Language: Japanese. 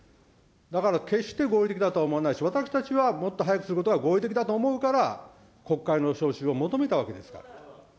だから決して合理的だと思わないし、私たちは、もっと早くすることが合理的だと思うから、国会の召集を求めたわけですから。